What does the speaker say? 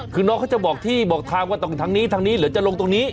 คือน้องเขาจะบอกที่บอกทางว่าต้องทางนี้ทางนี้หรือจะลงตรงนี้